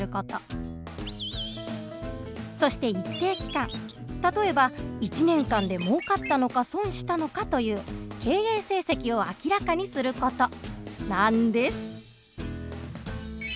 そして一定期間例えば１年間でもうかったのか損したのかという経営成績を明らかにする事なんです。